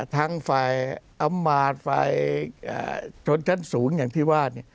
ทางฝ่ายอำมาตย์วัดเทอร์ไฟฉนต์สูงอย่างที่ว่า